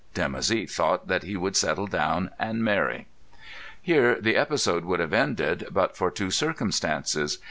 Dimoussi thought that he would settle down and marry. Here the episode would have ended but for two circumstances.